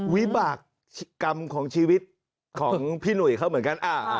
วิบากกรรมของชีวิตของพี่หนุ่ยเขาเหมือนกัน